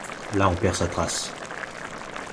Là on perd sa trace.